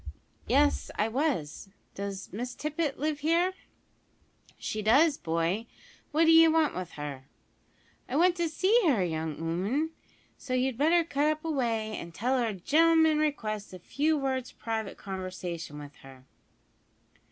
"Yes, I was. Does Miss Tippet live here?" "She does, boy, what d'ye want with her?" "I want to see her, young 'ooman, so you'd better cut away up an' tell her a gen'lm'n requests a few words private conversation with her."